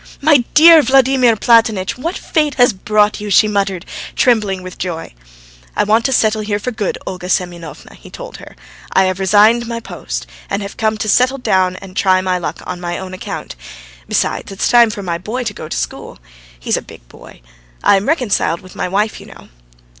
"My dear Vladimir Platonitch! What fate has brought you?" she muttered, trembling with joy. "I want to settle here for good, Olga Semyonovna," he told her. "I have resigned my post, and have come to settle down and try my luck on my own account. Besides, it's time for my boy to go to school. He's a big boy. I am reconciled with my wife, you know."